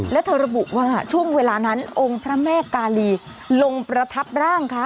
และเธอระบุว่าช่วงเวลานั้นองค์พระแม่กาลีลงประทับร่างคะ